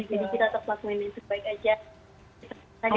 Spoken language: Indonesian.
jadi kita tetap lakuin yang terbaik aja